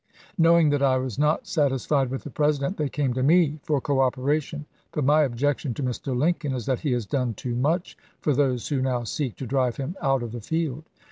Knowing that I was not satisfied with the Presi dent, they came to me for cooperation; but my objection to Mr. Lincoln is that he has done too much for those who now seek to drive him out of the field.